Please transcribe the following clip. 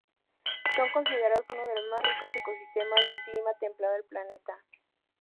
Son considerados uno de los más ricos ecosistemas de clima templado del planeta.